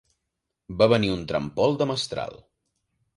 Va venir un tràmpol de mestral.